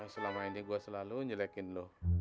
selama ini gue selalu nyelekin lo